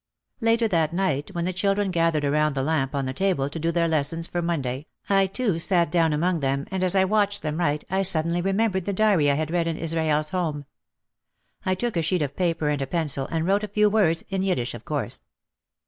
Later that night, when the children gathered around the lamp on the table to do their lessons for Monday I too sat down among them and as I watched them write I suddenly remembered the diary I had read in Israel's home. I took a sheet of paper and a pencil and wrote a few words, in Yiddish of course.